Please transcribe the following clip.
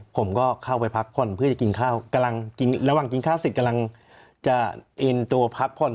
ผมก็เข้าไปพักผ่อนเพื่อจะกินข้าวกำลังกินระหว่างกินข้าวเสร็จกำลังจะเอ็นตัวพักผ่อน